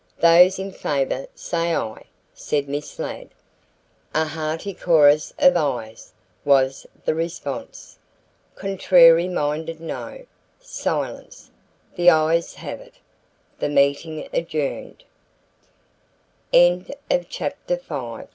"Those in favor say aye," said Miss Ladd. A hearty chorus of "ayes" was the response. "Contrary minded, no." Silence. "The ayes have it." The meeting adjourned. CHAPTER VI.